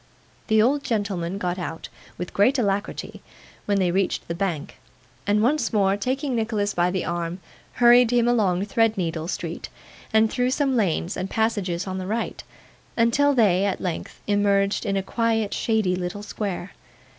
The old gentleman got out, with great alacrity, when they reached the Bank, and once more taking Nicholas by the arm, hurried him along Threadneedle Street, and through some lanes and passages on the right, until they, at length, emerged in a quiet shady little square.